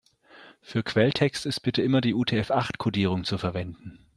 Für Quelltext ist bitte immer die UTF-acht-Kodierung zu verwenden.